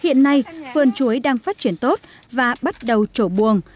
hiện nay vườn chuối đang phát triển tốt và bắt đầu trổ buồn